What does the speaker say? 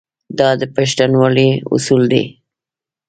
دا د پښتونولۍ اصول دي.